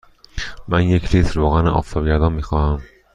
من یک لیتر روغن آفتابگردان می خواهم.